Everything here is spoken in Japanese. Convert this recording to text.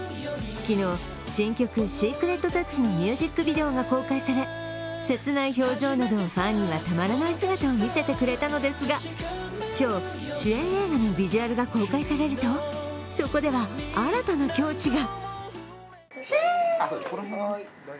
昨日、新曲「ＳｅｃｒｅｔＴｏｕｃｈ」のミュージックビデオが公開され、切ない表情などファンにはたまらない姿を見せてくれたのですが、今日、主演映画のビジュアルが公開されると、そこでは新たな境地が。